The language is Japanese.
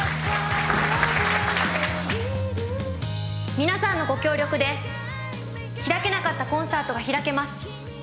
皆さんのご協力で開けなかったコンサートが開けます。